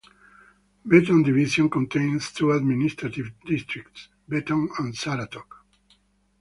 Betong Division contains two administrative districts: Betong and Saratok.